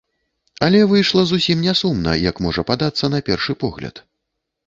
Але выйшла зусім не сумна, як можа падацца на першы погляд.